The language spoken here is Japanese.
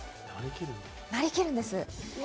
なりきるんです。